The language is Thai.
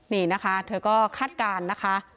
นี่นะคะเธอก็คาดการณ์นะคะ